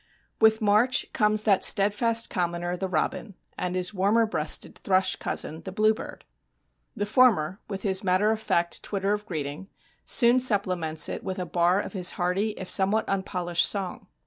With March comes that steadfast commoner the robin and his warmer breasted thrush cousin, the bluebird. The former, with his matter of fact twitter of greeting, soon supplements it with a bar of his hearty if somewhat unpolished song.